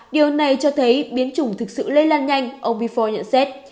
điều này cho thấy biến chủng thực sự lây lan nhanh ông bifo nhận xét